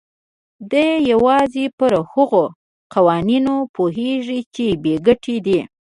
دی يوازې پر هغو قوانينو پوهېږي چې بې ګټې دي.